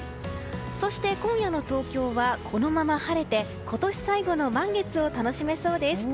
そして、今夜の東京はこのまま晴れて今年最後の満月を楽しめそうです。